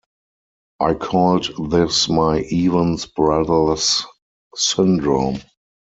I called this my "Evans Brothers syndrome".